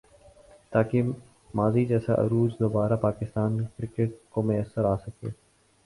تاکہ ماضی جیسا عروج دوبارہ پاکستان کرکٹ کو میسر آ سکے ۔